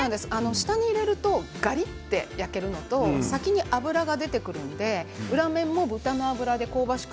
下に入れるとガリっとやれるのと先に脂が出てくるので裏面も豚の脂で香ばしく